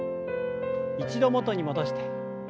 一度元に戻して。